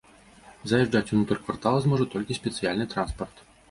Заязджаць унутр квартала зможа толькі спецыяльны транспарт.